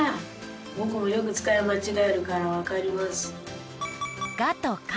ぼくもよくつかいまちがえるからわかります。